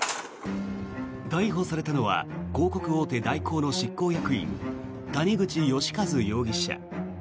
逮捕されたのは広告大手、大広の執行役員谷口義一容疑者。